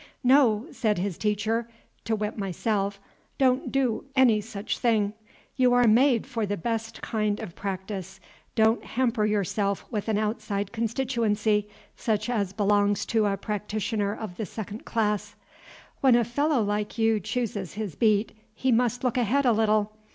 "No," said his teacher, to wit, myself, "don't do any such thing. You are made for the best kind of practice; don't hamper yourself with an outside constituency, such as belongs to a practitioner of the second class. When a fellow like you chooses his beat, he must look ahead a little.